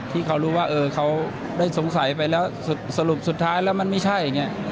ที่เขารู้ว่าเค้าสงสัยไปแล้วสรุปสุดท้ายแล้วมันไม่ใช่